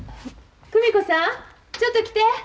久美子さんちょっと来て！